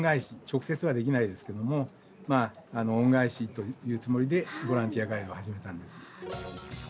直接はできないですけどもまあ恩返しというつもりでボランティアガイドを始めたんです。